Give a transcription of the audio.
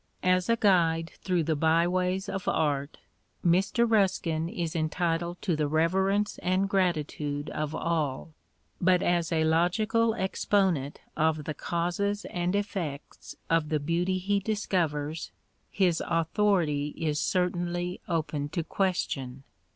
As a guide through the byways of art, Mr. Ruskin is entitled to the reverence and gratitude of all; but as a logical exponent of the causes and effects of the beauty he discovers, his authority is certainly open to question.